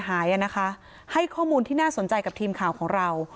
หายอ่ะนะคะให้ข้อมูลที่น่าสนใจกับทีมข่าวของเรา